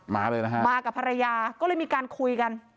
มาเลยนะฮะมากับภรรยาก็เลยมีการคุยกัน